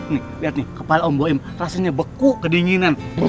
nih liat nih kepala om boim rasanya beku kedinginan